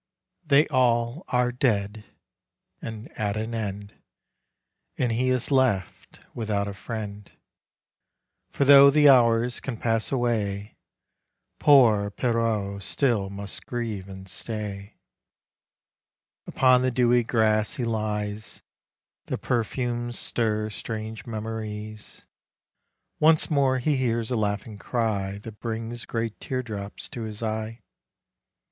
They all are dead — and at an end. And he is left without a friend. For tho' the hours can pass away Poor Pierrot still must grieve and stay. Upon the dewy grass he lies : The perfumes stir strange memories. Once more he hears a laughing cry That brings great tear drops to his eye.